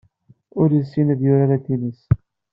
Ur yessin ad yurar atennis.